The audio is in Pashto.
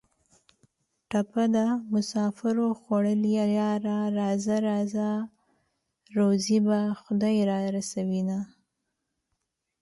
ټپه ده: مسافرو خوړلیه یاره راځه راځه روزي به خدای را رسوینه